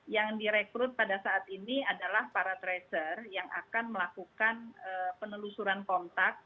yang direkrut pada saat ini adalah para tracer yang akan melakukan penelusuran kontak